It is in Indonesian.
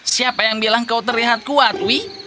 siapa yang bilang kau terlihat kuat wih